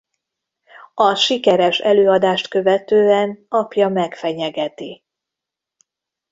A sikeres előadást követően apja megfenyegeti.